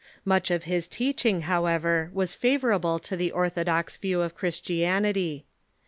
Much of his teach ing, however, was favorable to the orthodox view of Christian ity.